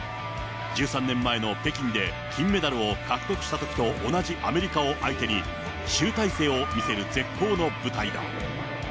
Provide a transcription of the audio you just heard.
１３年前の北京で金メダルを獲得したときと同じアメリカを相手に、集大成を見せる絶好の舞台だ。